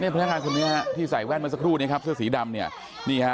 พนักงานคนนี้ที่ใส่แว่นมาสักครู่เสื้อสีดำ